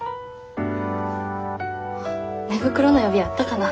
寝袋の予備あったかな？